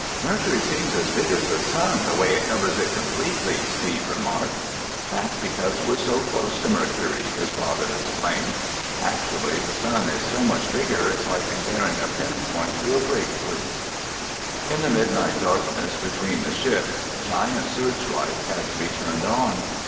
"Mercury seems as big as the sun, the way it covers it completely," Steve remarked. "That's because we're so close to Mercury," his father explained. "Actually, the sun is so much bigger it's like comparing a pinpoint to a grapefruit!" In the midnight darkness between the ships, giant searchlights had to be turned on.